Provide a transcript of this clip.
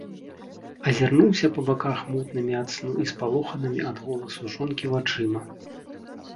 Азірнуўся па баках мутнымі ад сну і спалоханымі ад голасу жонкі вачыма.